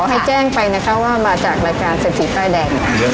ให้แจ้งไปนะคะว่ามาจากรายการเศรษฐีป้ายแดง